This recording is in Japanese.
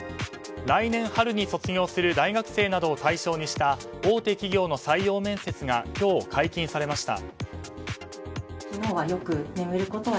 来年春に卒業する大学生などを対象にした大手企業などの採用面接が今日、解禁されました。